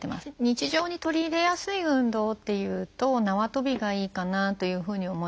日常に取り入れやすい運動っていうとなわとびがいいかなというふうに思います。